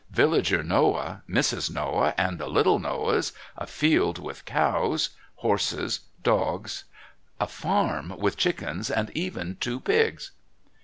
Villager Noah, Mrs. Noah and the little Noahs, a field with cows, horses, dogs, a farm with chickens and even two pigs...